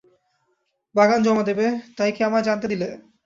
বাগান জমা দেবে, তাই কি আমায় জানতে দিলে?